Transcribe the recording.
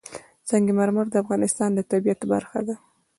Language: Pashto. سنگ مرمر د افغانستان د طبیعت برخه ده.